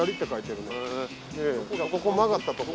ここ曲がったとこ。